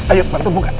ayo bantu buka